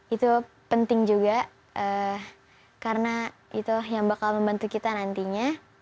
itu penting juga karena itu yang bakal membantu kita nantinya